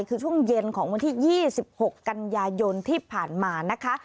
คือช่วงเย็นของวันที่๒๖กันยายนที่ผ่านมานะคะ